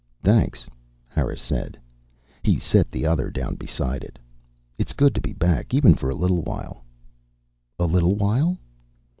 "Thanks," Harris said. He set the other down beside it. "It's good to be back, even for a little while." "A little while?"